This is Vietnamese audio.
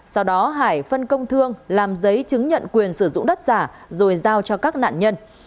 sau đó hải phân công thương làm giấy chứng nhận quyền sử dụng đất giả rồi giao cho các nạn nhân